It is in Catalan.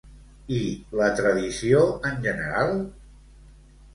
I la tradició en general?